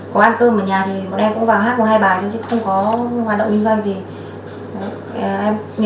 có ăn cơm ở nhà thì bọn em cũng vào hát một hai bài nhưng chứ không có hoạt động kinh doanh gì